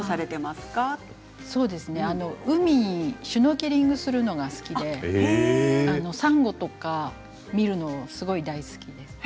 ひびの海でシュノーケリングをするのが好きでサンゴとか見るのがすごく大好きです。